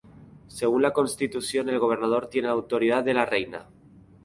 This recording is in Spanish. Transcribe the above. Según la Constitución el gobernador tiene la autoridad de la Reina.